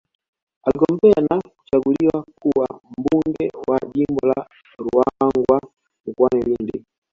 Aligombea na kuchaguliwa kuwa Mbunge wa Jimbo la Ruangwa mkoani Lindi